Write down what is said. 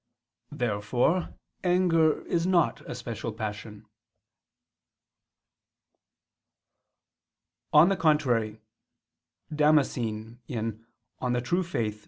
Therefore anger is not a special passion. On the contrary, Damascene (De Fide Orth.